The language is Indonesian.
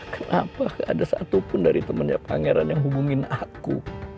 kenapa gak ada satupun dari temennya pangeran yang hubungin aku